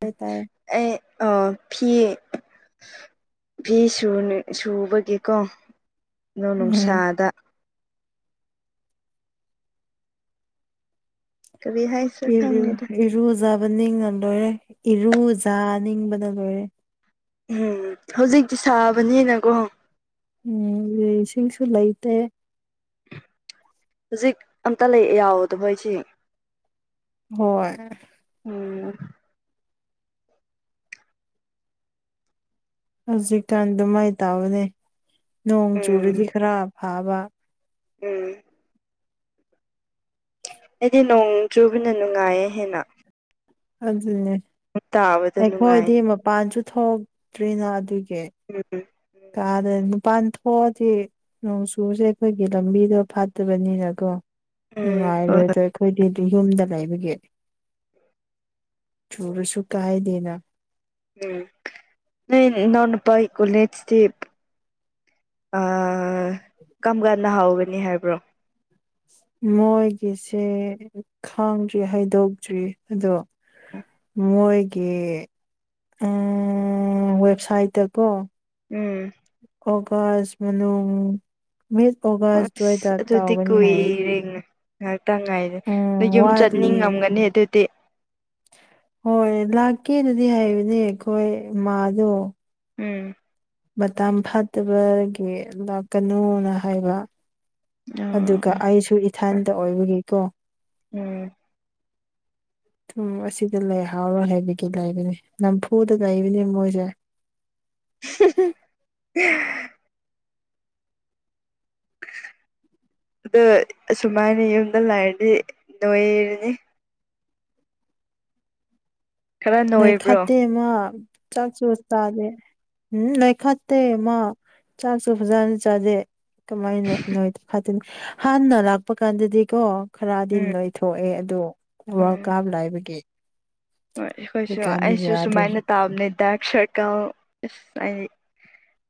ꯇꯥꯏ ꯇꯥꯏ ꯑꯦ ꯑ ꯐꯤ ꯐꯤ ꯁꯨ ꯁꯨꯕꯒꯤꯀꯣ ꯅꯣꯡ ꯎꯝ ꯅꯨꯡꯁꯥꯗ ꯀꯔꯤ ꯍꯥꯏꯁꯤꯔꯥ ꯈꯪꯗꯦꯗ ꯏ ꯏꯔꯨꯖ ꯅꯤꯡꯅ ꯂꯣꯏꯔꯦ ꯏꯔꯨꯖꯥ ꯅꯤꯡꯕꯅ ꯂꯣꯏꯔꯦ ꯎꯝ ꯍꯧꯖꯤꯛꯇꯤ ꯁꯥꯕꯅꯤꯅꯀꯣ ꯎꯝ ꯏꯁꯤꯡꯁꯨ ꯂꯥꯏꯇꯦ ꯍꯧꯖꯤꯛ ꯑꯝꯇ ꯂꯩ ꯌꯥꯎꯗ ꯃꯣꯏꯁꯤ ꯍꯣꯏ ꯍꯧꯖꯤꯛꯀꯥꯟ ꯑꯗꯨꯃꯥꯏꯅ ꯇꯥꯕꯅꯦ ꯅꯣꯡ ꯎꯝ ꯆꯨꯔꯗꯤ ꯈꯔ ꯐꯥꯕ ꯎꯝ ꯑꯩꯗꯤ ꯅꯣꯡ ꯆꯨꯕꯅ ꯅꯨꯡꯉꯥꯏꯌꯦ ꯍꯦꯟꯅ ꯑꯗꯨꯅꯦ ꯇꯥꯕꯗ ꯅꯨꯡꯉꯥꯏ ꯑꯩꯈꯣꯏꯗꯤ ꯃꯄꯥꯟꯁꯨ ꯊꯣꯛꯇ꯭ꯔꯤꯅ ꯑꯗꯨꯒꯤ ꯎꯝ ꯀꯥꯗ ꯅꯨ ꯄꯥꯟꯊꯗꯤ ꯅꯣꯡꯆꯨꯁꯦ ꯑꯩꯈꯣꯏꯒꯤ ꯂꯝꯕꯤꯗꯣ ꯐꯠꯇꯕꯅꯤꯅꯀꯣ ꯍꯣꯏ ꯍꯣꯏ ꯅꯨꯡꯉꯥꯏꯔꯣꯏꯗꯣ ꯑꯩꯈꯣꯏꯗꯤ ꯌꯨꯝꯗ ꯂꯩꯕꯒꯤ ꯆꯨꯔꯁꯨ ꯀꯥꯏꯗꯦꯅ ꯎꯝ ꯅꯣꯏ ꯅꯨꯄꯥꯏ ꯀꯣꯂꯦꯒꯇꯤ ꯑ ꯀꯔꯝ ꯀꯥꯟꯗ ꯍꯥꯎꯒꯅꯤ ꯍꯥꯏꯕ꯭ꯔꯣ ꯃꯣꯏꯒꯤꯁꯦ ꯈꯥꯡꯗ꯭ꯔꯤ ꯍꯥꯏꯗꯣꯛꯇ꯭ꯔꯤ ꯑꯗꯣ ꯃꯣꯏꯒꯤ ꯋꯦꯕꯁꯥꯏꯠꯇꯀꯣ ꯎꯝ ꯑꯣꯒꯥꯖ ꯃꯅꯨꯡ ꯃꯤꯁ ꯑꯣꯒꯥꯁ ꯖꯋꯥꯗ ꯑꯁ ꯑꯗꯨꯗꯤ ꯇꯥꯎꯒꯅꯤ ꯍꯥꯏꯔ ꯀꯨꯏꯔꯦ ꯉꯥꯏꯍꯥꯛꯇꯪ ꯉꯥꯏꯔꯦ ꯑꯗ ꯌꯨꯝ ꯋꯥꯠꯂꯤ ꯆꯠꯅꯤꯡꯉꯝꯒꯅꯤ ꯑꯗꯨꯗꯤ ꯍꯣꯏ ꯂꯥꯛꯀꯦꯅꯗꯤ ꯍꯥꯏꯕꯅꯦ ꯑꯩꯈꯣꯏ ꯃꯥꯗꯣ ꯎꯝ ꯃꯇꯝꯥꯡ ꯐꯥꯠꯇꯕꯒꯤ ꯂꯥꯛꯀꯅꯨꯅ ꯍꯥꯏꯕ ꯑꯣ ꯑꯗꯨꯒ ꯑꯩꯁꯨ ꯑꯣ ꯏꯊꯟꯇ ꯑꯣꯏꯕꯒꯤꯀꯣ ꯎꯝ ꯎꯝ ꯑꯁꯤꯗ ꯂꯩꯍꯥꯎꯔꯣꯏ ꯍꯥꯏꯕꯒꯤ ꯂꯩꯕꯅꯤ ꯅꯝꯐꯨꯗ ꯂꯩꯕꯅꯤ ꯃꯣꯏꯁꯦ [inaudible] [inaudible] ꯑꯗ ꯁꯨꯃꯥꯏꯅ ꯌꯨꯝꯗ ꯂꯥꯏꯔꯗꯤ ꯅꯣꯏꯔꯤꯅꯤ ꯈꯔ ꯅꯣꯏ ꯅꯣꯏꯕ꯭ꯔꯣ ꯈꯠꯇꯦꯃ ꯆꯥꯛ ꯆꯨ ꯆꯥꯗꯦ ꯎꯝ ꯂꯣꯏꯈꯠꯇꯦ ꯃꯥ ꯆꯥꯛꯁꯨ ꯐꯖꯅ ꯆꯥꯖꯦ ꯀꯃꯥꯏꯅꯣ ꯍꯥꯏ ꯍꯥꯟꯅ ꯂꯥꯛꯄ ꯀꯥꯟꯗꯗꯤꯀꯣ ꯈꯔꯗꯤꯟ ꯎꯝ ꯂꯣꯏꯊꯣꯛꯑꯦ ꯑꯗꯨ ꯋꯥꯔꯜ ꯎꯝ ꯀꯥꯞ ꯂꯥꯏꯕꯒꯤ ꯍꯣꯏ ꯑꯩꯈꯣꯏꯁꯨ ꯍꯧꯖꯤꯛꯀꯥꯟꯗꯤ ꯑꯩꯁꯨ ꯌꯥꯗ꯭ꯔꯦ ꯁꯨꯃꯥꯏꯅ ꯇꯥꯕꯅꯦ ꯗꯔꯛ ꯁꯥꯔꯀꯜ ꯍꯥꯏ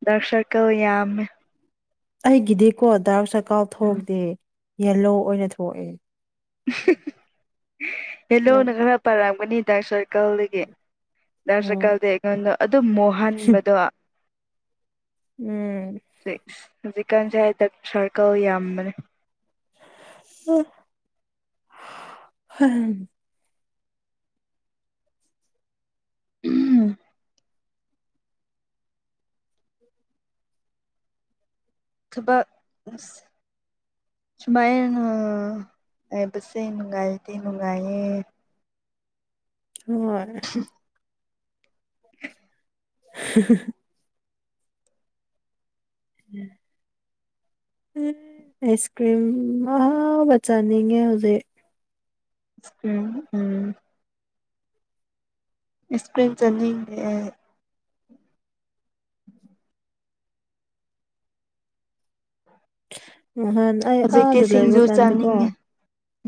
ꯗꯔꯛ ꯁꯥꯔꯀꯜ ꯌꯥꯝꯃꯦ ꯑꯩꯒꯤꯗꯤꯀꯣ ꯗꯥꯥꯛꯛ ꯆꯀꯥꯎ ꯎꯝ ꯊꯣꯛꯗꯦ ꯌꯦꯂꯣ ꯑꯣꯏꯅ ꯊꯣꯛꯑꯦ ꯍꯜꯂꯣ ꯌꯥꯝ ꯅꯪ ꯈꯔ ꯄꯔꯝꯒꯅꯤ ꯗꯥꯛꯁꯔ ꯎꯝ ꯀꯜꯗꯒꯤꯀꯜꯗꯤ ꯑꯩꯉꯣꯟꯗꯣ ꯑꯗꯨ ꯃꯨꯍꯟꯕꯗꯣ ꯎꯝ ꯁꯤꯁ ꯍꯧꯖꯤꯛꯀꯥꯟꯁꯦ ꯍꯗꯛ ꯁꯥꯔꯀꯧ ꯌꯥꯝꯕꯅꯦ ꯑ ꯍ ꯎ ꯊꯕꯁ ꯁꯨꯃꯥꯏꯅꯁꯦ ꯅꯨꯡꯒꯥꯏꯇ ꯅꯨꯡꯉꯥꯏ ꯍꯣꯏ [inaudible] ꯎꯝ ꯑꯁ ꯀ꯭ꯔꯤꯝ ꯑꯕꯆꯅꯤꯡꯒꯦ ꯍꯧꯖꯤꯦ ꯎ ꯎꯝ ꯏꯁꯄ꯭ꯔꯤꯟ ꯆꯅꯤ ꯅꯍꯥꯟ ꯑꯩ ꯍꯧꯖꯤꯛꯇꯤ ꯑꯥꯗ ꯂꯩꯕ ꯁꯤꯡꯖꯨ ꯀꯥꯟꯗꯀꯣ ꯆꯥꯅꯤꯡꯉꯦ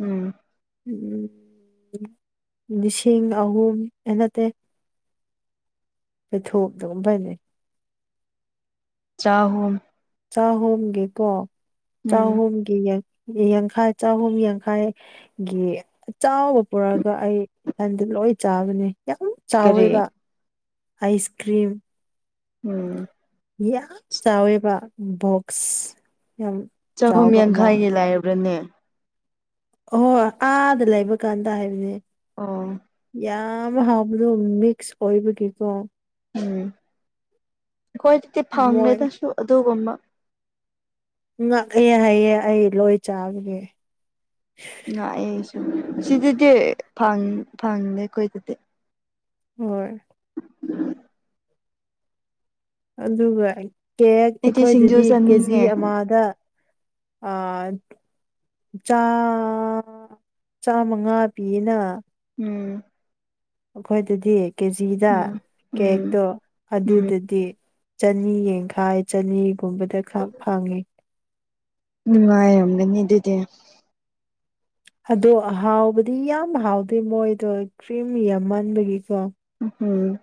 ꯎꯝ ꯎꯝ ꯂꯤꯁꯤꯡ ꯑꯍꯨꯝ ꯑꯩ ꯅꯠꯇꯦ ꯄꯩ ꯊꯣꯗꯒꯨꯝ ꯐꯅꯦ ꯆꯥꯍꯨꯝ ꯆꯥꯍꯣꯡꯒꯦ ꯀꯣ ꯎꯝ ꯆꯥꯍꯣꯝꯒꯦ ꯌꯦ ꯌꯥꯡꯈꯥꯏ ꯆꯍꯨꯝ ꯌꯥꯡꯈꯥꯏ ꯒꯤ ꯆꯥꯎꯕ ꯄꯨꯔꯛꯑꯒ ꯑꯩ ꯍꯟꯖꯤꯜꯂꯛ ꯍꯣꯏ ꯆꯥꯕꯅꯦ ꯌꯥꯝ ꯀꯔꯤ ꯆꯥꯎꯋꯦꯕ ꯑꯥꯏꯁ ꯀ꯭ꯔꯤꯝ ꯎꯝ ꯌꯥꯝ ꯆꯥꯎꯋꯦꯕ ꯕꯣꯛꯁ ꯌꯥꯝ ꯆꯍꯨꯝ ꯆꯥꯎꯕ ꯑꯃ ꯌꯥꯡꯈꯩꯒꯤ ꯂꯩꯕ꯭ꯔꯅꯦ ꯍꯣꯏ ꯑꯥꯗ ꯂꯩꯕ ꯀꯥꯟꯗ ꯍꯥꯏꯕꯅꯦ ꯑꯣ ꯌꯥꯝ ꯍꯥꯕꯗꯨ ꯃꯛꯁ ꯑꯣꯏꯕ ꯀꯗꯨ ꯎꯝ ꯑꯩꯈꯣꯏ ꯑꯗꯨꯗꯤ ꯃꯣꯏ ꯐꯪꯉꯦꯗꯁꯨ ꯑꯗꯨꯒꯨꯝꯕ ꯉꯛꯑꯦ ꯍꯥꯏꯑꯦ ꯑꯩ ꯂꯣꯏ ꯆꯥꯕꯒꯦ ꯂꯥꯛꯑ ꯑꯩꯁꯨ ꯁꯤꯗꯗꯤ ꯐꯪꯗꯦ ꯑꯩꯈꯣꯏꯗꯗꯤ ꯍꯣꯏ ꯑꯗꯨꯒ ꯀꯦꯛ ꯑꯩꯗꯤ ꯁꯤꯡꯖꯨ ꯑꯩꯈꯣꯏꯗꯗꯤ ꯀꯦꯖꯤ ꯆꯥꯅꯤꯡꯉꯦ ꯑꯃꯗ ꯥ ꯆꯥꯃꯉꯥ ꯄꯤꯌꯦꯅ ꯎꯝ ꯑꯩꯈꯣꯏꯗꯗꯤ ꯀꯦꯖꯤꯗ ꯎꯝ ꯎꯝ ꯀꯦꯛꯇꯣ ꯎꯝ ꯑꯗꯨꯗꯗꯤ ꯆꯅꯤ ꯌꯦꯟꯈꯥꯏ ꯆꯅꯤꯒꯨꯝꯕꯗ ꯈꯥꯛ ꯐꯪꯉꯤ ꯅꯨꯡꯉꯥꯏꯔꯝꯒꯅꯤ ꯑꯗꯨꯗꯤ ꯑꯗꯣ ꯍꯥꯎꯕꯗꯤ ꯌꯥꯝ ꯍꯥꯎꯗꯦ ꯃꯣꯏꯗꯣ ꯀ꯭ꯔꯤꯝ ꯌꯥꯝꯃꯟꯕꯒꯤꯀꯣ ꯎꯝ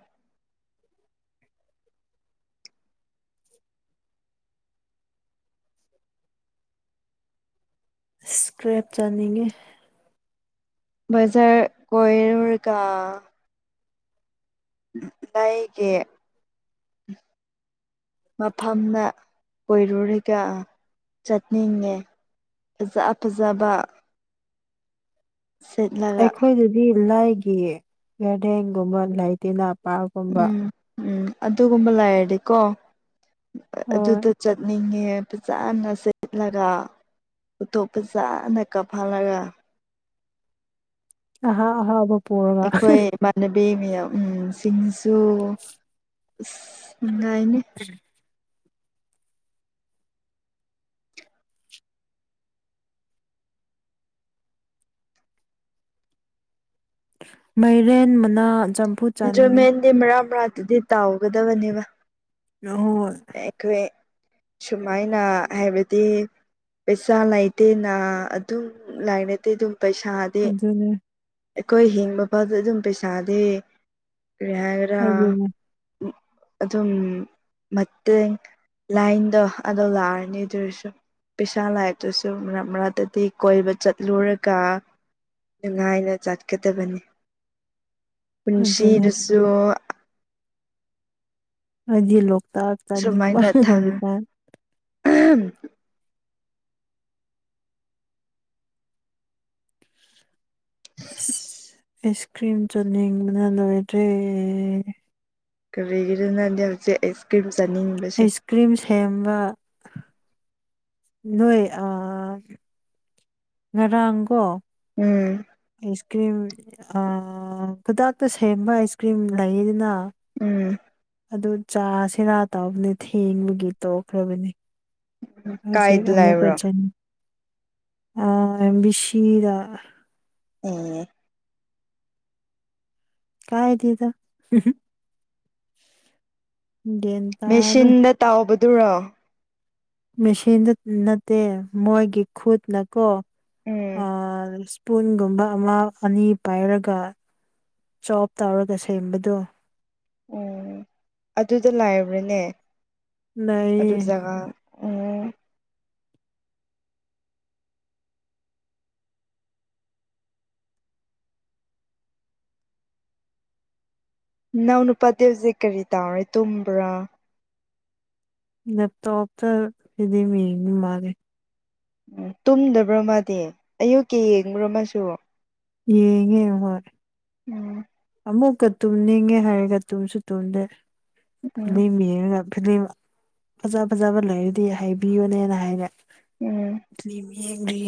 ꯁꯀ꯭ꯔꯦꯞ ꯆꯅꯤꯡꯒꯦ ꯕꯖꯔ ꯀꯣꯏꯔꯒ ꯂꯩꯒꯤ ꯃꯐꯝꯗ ꯑꯣꯏꯔꯨꯔꯒ ꯆꯠꯅꯤꯡꯉꯦ ꯐꯖ ꯐꯖꯕ ꯁꯦꯠꯂꯒ ꯑꯩꯈꯣꯏꯗꯗꯤ ꯂꯥꯏꯒꯤ ꯒꯥꯔꯗꯦꯟꯒꯨꯝꯕ ꯂꯥꯏ ꯇꯤꯟꯅꯥ ꯄꯥꯒꯨꯝꯕ ꯎꯝ ꯎꯝ ꯑꯗꯨꯒꯨꯝꯕ ꯂꯩꯔꯗꯤꯀꯣ ꯍꯣꯏ ꯑꯗꯨꯗ ꯆꯠꯅꯤꯡꯉꯦ ꯐꯖꯅ ꯁꯦꯠꯂꯒ ꯎꯣꯊꯣꯞ ꯐꯖꯅ ꯀꯥꯞꯍꯜꯂꯒ ꯍ ꯍꯥꯎꯕ ꯑꯩꯈꯣꯏ ꯏꯃꯥꯟꯅꯕꯤ ꯃꯌꯥꯝ ꯎꯁꯤꯡ ꯑꯣꯉꯥꯏꯅꯦ ꯃꯩꯔꯦꯟ ꯃꯅꯥ ꯆꯝꯐꯨꯠ ꯆꯥꯅꯤꯡꯉꯤ ꯑꯦꯟꯖꯣꯏꯃꯦꯟꯗꯤ ꯃꯔꯥ ꯃꯔꯥꯇꯗꯤ ꯇꯥꯎꯒꯗꯕꯅꯦꯕ ꯍꯣꯏ ꯑꯩꯈꯣꯏ ꯁꯨꯃꯥꯏꯅ ꯍꯥꯏꯕꯗꯤ ꯄꯩꯁꯥ ꯂꯩꯥꯏꯇꯦꯅ ꯑꯗꯨꯝ ꯂꯥꯏꯅꯗꯦ ꯑꯗꯨꯝ ꯄꯩꯁꯥꯗꯤ ꯑꯗꯨꯅꯦ ꯑꯩꯈꯣꯏ ꯍꯤꯡꯕ ꯐꯗ ꯑꯗꯨꯝ ꯄꯩꯁꯥꯗꯤꯦ ꯀꯔꯤ ꯍꯥꯏꯒ꯭ꯔꯥ ꯑꯗꯨꯅꯦ ꯎ ꯑꯗꯨꯝ ꯃ ꯂꯥꯏꯟꯗꯣ ꯑꯗꯨꯗꯣ ꯂꯥꯛꯑꯅꯤ ꯑꯗꯨꯔꯁꯨ ꯄꯩꯁꯥ ꯂꯥꯏꯔꯤꯛꯇꯨꯁꯨ ꯃꯔꯛ ꯃꯔꯛꯇꯗꯤ ꯀꯣꯏꯕ ꯆꯠꯂꯨꯔꯒ ꯅꯨꯡꯉꯥꯏꯅ ꯆꯠꯀꯗꯕꯅꯤ ꯑꯗꯨꯅꯦ ꯄꯨꯟꯁꯤꯗꯁꯨ ꯍꯥꯏꯗꯤ ꯂꯣꯛꯇꯥꯛ ꯇꯥꯅꯤꯡꯕ ꯁꯨꯃꯥꯏꯅ ꯊꯥꯡ ꯍꯧꯖꯤꯀꯥꯟ ꯑꯁ ꯑꯥꯏꯁ ꯀ꯭ꯔꯤꯝ ꯆꯅꯤꯡꯕꯅ ꯂꯋꯔꯦ ꯀꯔꯤꯒꯤꯔꯅꯌꯥꯦꯁ ꯀ꯭꯭ꯔꯔꯤꯝ ꯑꯩꯁ ꯀ꯭ꯔꯤꯝ ꯁꯦꯝꯕ ꯅꯣꯏꯣꯏ ꯑ ꯉꯔꯥꯡꯒꯣ ꯎꯝ ꯑꯥꯏꯁ ꯀ꯭ꯔꯤꯝ ꯈꯨꯗꯥꯛꯇ ꯁꯦꯝꯕ ꯑꯥꯏꯁ ꯀ꯭ꯔꯤꯝ ꯂꯩꯗꯅ ꯎꯝ ꯑꯗꯨ ꯆꯥꯁꯤꯔꯥ ꯇꯥꯎꯕꯅꯦ ꯊꯦꯡꯕꯒꯤ ꯇꯣꯛꯈ꯭ꯔꯕꯅꯤ ꯍꯧꯖꯤ ꯀꯥꯏꯗ ꯂꯩꯕ꯭ꯔꯣ ꯑꯃꯨꯛꯀꯖꯅꯤ ꯑ ꯁꯤꯤꯗꯥ ꯎꯝ ꯀꯥꯏ ꯇꯗ ꯃꯦꯆꯤꯟꯗ ꯇꯥꯎꯕꯗꯨꯔꯣ ꯃꯦꯆꯤꯟꯗ ꯅꯠꯇꯦ ꯃꯣꯏꯒꯤ ꯈꯨꯠꯅꯀꯣ ꯎꯝ ꯄꯨꯨꯟꯒꯨꯝꯕ ꯑꯃ ꯑꯅꯤ ꯄꯥꯏꯔꯒ ꯆꯣꯞ ꯇꯧꯔꯒ ꯁꯦꯝꯕꯗꯣ ꯑꯣ ꯑꯗꯨꯗ ꯂꯥꯏꯔꯕ꯭ꯔꯥꯅꯦ ꯅꯩ ꯎ ꯅꯎ ꯅꯨꯄꯥꯗꯦ ꯍꯧꯁꯦ ꯀꯔꯤ ꯇꯥꯔꯦ ꯇꯨꯝꯕ꯭ꯔꯥ ꯂꯦꯞꯇꯣꯞꯇ ꯐꯗꯤꯃꯤ ꯃꯥꯔꯦ ꯎꯝ ꯇꯨꯝꯗꯕ꯭ꯔ ꯃꯥꯗꯤ ꯑꯌꯨꯛꯀꯤ ꯌꯦꯡꯕ꯭ꯔꯣ ꯃꯁꯨ ꯌꯦꯡꯉꯦ ꯍꯣꯏ ꯎꯝ ꯑꯃꯨꯛꯀ ꯇꯨꯝꯅꯤꯡꯉꯦ ꯍꯥꯏꯔꯒ ꯇꯨꯝꯁꯨ ꯎꯝ ꯇꯨꯝꯗꯦꯂꯤ ꯌꯦꯔꯒ ꯐꯤꯝ ꯐꯖ ꯐꯖꯕ ꯂꯩꯔꯗꯤ ꯍꯥꯏꯕꯤꯌꯣꯅꯦꯅ ꯍꯥꯏꯔꯦ ꯐꯤ ꯌꯦꯡꯔꯤ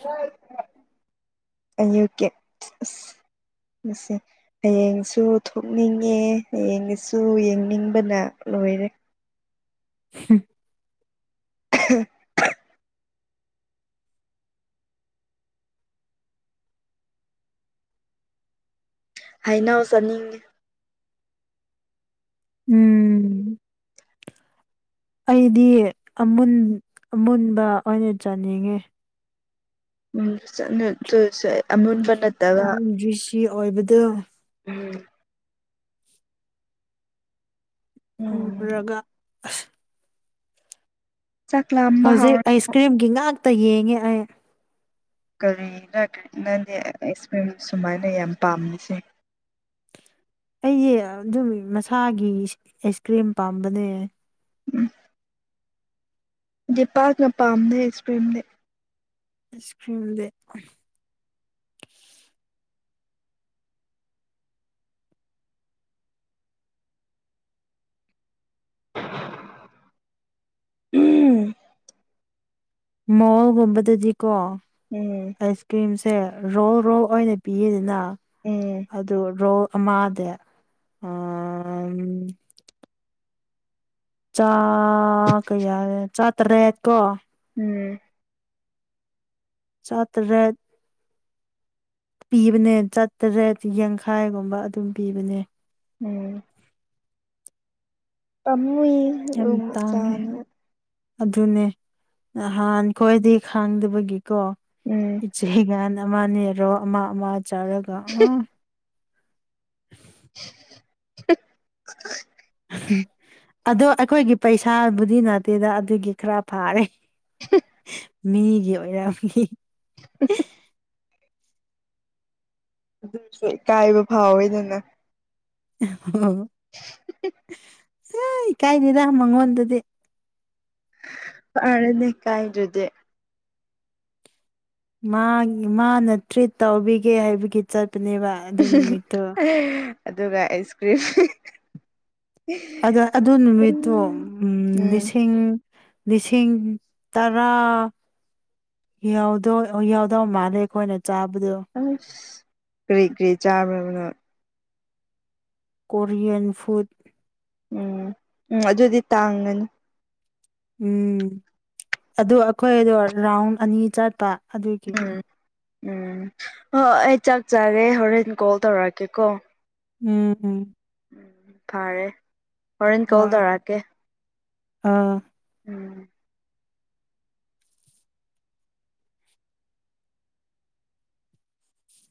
ꯍ ꯑ ꯌꯨ ꯀꯦ ꯃꯁꯦ ꯍꯌꯦꯡꯁꯨ ꯊꯣꯛꯅꯤꯡꯉꯦ ꯍꯌꯦꯡꯁꯨ ꯌꯦꯡꯅꯤꯡꯕꯅ ꯂꯣꯏꯔꯦ ꯍ [unintelligible] ꯍꯥꯏꯩꯅꯧ ꯆꯥꯅꯤꯡꯉꯤ ꯎꯝ ꯑꯩꯗꯤ ꯑꯃꯨꯟꯕ ꯑꯣꯏꯅ ꯆꯥꯅꯤꯡꯉꯤ ꯎꯝ ꯑꯃꯟꯕ ꯌꯥꯝꯗ꯭ꯔꯤꯁꯤ ꯑꯣꯏꯕꯗꯨ ꯎꯝ ꯎꯝ ꯎꯨꯝꯔꯒ ꯆꯥꯛ ꯂꯥꯝꯕ ꯍꯧꯖꯤꯛ ꯍꯧꯔ ꯑꯥꯏꯁ ꯀ꯭ꯔꯤꯝꯒꯤ ꯉꯥꯛꯇ ꯌꯦꯡꯉꯦ ꯑꯩ ꯀꯔꯤꯅ ꯀ꯭ꯔꯤꯅꯗꯤ ꯑꯦꯛꯁꯄꯤꯔꯤꯟꯁ ꯁꯨꯃꯥꯏꯅ ꯌꯥꯝ ꯄꯥꯝꯃꯤꯁꯦ ꯑꯩꯁꯦ ꯑꯗꯨꯝ ꯃꯁꯥꯒꯤ ꯑꯥꯏꯁ ꯀ꯭ꯔꯤꯝ ꯄꯥꯝꯕꯅꯦ ꯎꯝ ꯗꯤꯄꯥꯛꯅ ꯄꯥꯝꯗꯩ ꯏꯁꯀ꯭ꯔꯤꯝꯗꯤ ꯑꯁ ꯀ꯭ꯔꯤꯝꯗ ꯎꯝ ꯃꯣ ꯀꯕꯇꯖꯤ ꯎꯝ ꯀꯣꯁ ꯀ꯭꯭ꯔꯔꯤꯝꯁ ꯁꯦ ꯔꯣ ꯔꯣ ꯑꯣꯏꯅ ꯄꯤꯌꯦꯗꯅ ꯎꯝ ꯑꯗꯨ ꯔꯣ ꯑ ꯃꯥꯗꯦ ꯑꯝ ꯆꯥ ꯀ ꯌꯥꯔꯦ ꯆꯥꯠꯇꯔꯦ ꯀꯣ ꯎꯝ ꯆꯠꯔꯦꯠ ꯄꯤꯕꯅꯦ ꯆꯥꯇꯔꯦꯠ ꯌꯥꯡꯈꯥꯏꯒꯨꯝꯕ ꯑꯗꯨꯝ ꯄꯤꯕꯅꯦ ꯎꯝ ꯄꯃꯨ ꯌꯥꯝ ꯃ ꯇꯥꯡꯉꯦ ꯆꯥꯅꯤ ꯑꯗꯨꯅꯦ ꯅꯍꯥꯟ ꯈ꯭ꯋꯥꯏꯗꯤ ꯈꯥꯡꯗꯕꯒꯤ ꯀꯣ ꯎꯝ ꯏꯆꯦꯒꯥꯟ ꯑꯃꯅꯦꯔꯣ ꯑꯃ ꯑꯃ ꯆꯥꯔꯒ ꯑ [unintelligible] ꯑꯗꯣ ꯑꯩꯈꯣꯏꯒꯤ ꯄꯩꯁꯥꯕꯨꯗꯤ ꯅꯠꯇꯦꯗ ꯑꯗꯨꯒꯤ ꯈꯔ ꯐꯥꯔꯦ ꯃꯤꯒꯤ ꯑꯣꯏꯔꯒꯤ [unintelligible] ꯑꯗꯨꯁꯨ ꯏꯀꯥꯏꯕ ꯐꯥꯎꯋꯦꯗꯅ ꯑꯣ ꯁ ꯏ ꯀꯥꯏꯗꯔ ꯃꯪꯋꯥꯟꯗꯗꯤꯦ ꯑꯔꯅꯅꯤ ꯀꯥꯏꯔꯗꯦ ꯃꯥꯅ ꯇ꯭ꯔꯤꯠ ꯇꯧꯕꯤꯒꯦ ꯍꯥꯏꯕꯒꯤ ꯆꯠ ꯑꯗꯨꯅꯦꯕ ꯑꯗꯨ ꯅꯨꯃꯤꯠꯇꯣ ꯑꯗꯨꯒ ꯑꯩꯁ ꯀ꯭ꯔꯤꯝ ꯑꯗ ꯑꯗꯨ ꯅꯨꯃꯤꯠꯇꯣ ꯎꯝ ꯂꯤꯁꯤꯡ ꯂꯤꯁꯤꯡ ꯇꯔꯥ ꯌꯥꯎꯗꯣ ꯌꯥꯎꯗꯣ ꯃꯥꯅꯦꯦ ꯀꯣꯋꯥꯅ ꯑꯁ ꯀꯔꯤ ꯀꯔꯤ ꯆꯥꯕꯅ ꯀꯣꯔꯤꯌꯟ ꯐꯨꯗ ꯎꯝ ꯎꯝ ꯑꯗꯨꯗꯤ ꯇꯥꯡꯒꯅꯤ ꯎꯝ ꯑꯗꯨ ꯑꯩꯈꯣꯏꯗꯣ ꯔꯥꯎꯟ ꯑꯅꯤ ꯆꯠꯄ ꯑꯗꯨꯒꯤ ꯎꯝ ꯎꯝ ꯍ ꯍ ꯆꯒꯦ ꯍꯣꯔꯦꯟ ꯀꯣꯜ ꯇꯧꯔꯛꯑꯀꯦ ꯀꯣ ꯎꯝ ꯎꯝ ꯎ ꯐꯔꯦ ꯍꯣꯔꯦꯟ ꯍꯣꯏ ꯀꯣꯜ ꯇꯧꯔꯀꯦ ꯑꯥ